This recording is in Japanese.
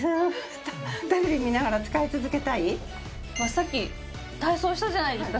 さっき体操したじゃないですか